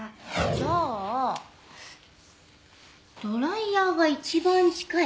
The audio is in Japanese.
じゃあドライヤーが一番近い。